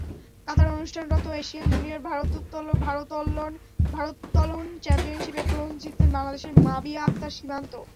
কাতারে অনুষ্ঠানরত Asian junior ভারোত্তোলন চ্যাম্পিয়নশিপে ব্রোঞ্জ জিতলেন বাংলাদেশের মাবিয়া আক্তার সীমান্ত।